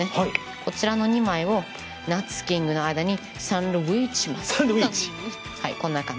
こちらの２枚をなつキングの間にサンドウィッチします。